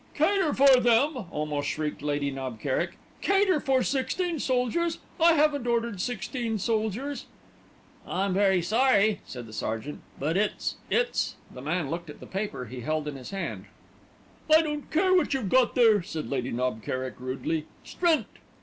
'" "Cater for them!" almost shrieked Lady Knob Kerrick. "Cater for sixteen soldiers! I haven't ordered sixteen soldiers." "I'm very sorry," said the sergeant, "but it's it's " The man looked at the paper he held in his hand. "I don't care what you've got there," said Lady Knob Kerrick rudely. "Strint!"